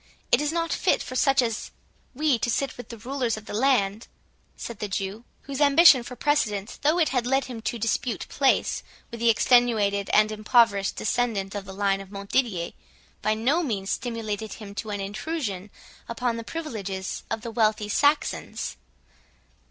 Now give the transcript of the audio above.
—it is not fit for such as we to sit with the rulers of the land," said the Jew; whose ambition for precedence though it had led him to dispute Place with the extenuated and impoverished descendant of the line of Montdidier, by no means stimulated him to an intrusion upon the privileges of the wealthy Saxons.